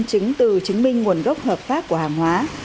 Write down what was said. chứng từ chứng minh nguồn gốc hợp pháp của hàng hóa